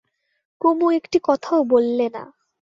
কুমু একটি কথাও বললে না।